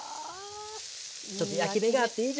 ちょっと焼き目があっていいじゃないですか。